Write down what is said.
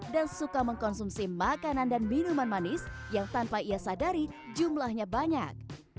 dan suka mengkonsumsi makanan dan minuman manis yang tanpa ia sadari jumlahnya banyak